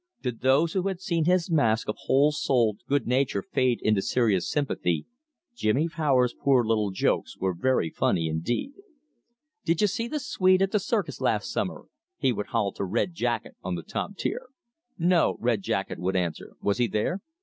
To those who had seen his mask of whole souled good nature fade into serious sympathy, Jimmy Powers's poor little jokes were very funny indeed. "Did 'je see th' Swede at the circus las' summer?" he would howl to Red Jacket on the top tier. "No," Red Jacket would answer, "was he there?"